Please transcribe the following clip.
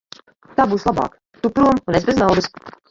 Tā būs labāk; tu prom un es bez naudas.